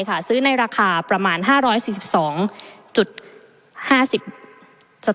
ประเทศอื่นซื้อในราคาประเทศอื่น